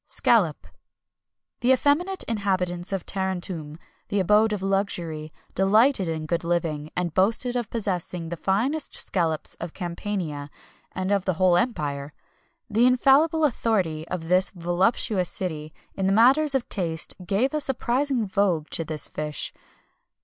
[XXI 250] SCALLOP. The effeminate inhabitants of Tarentum, the abode of luxury, delighted in good living, and boasted of possessing the finest scallops of Campania, and of the whole empire.[XXI 251] The infallible authority of this voluptuous city in matters of taste gave a surprising vogue to this fish.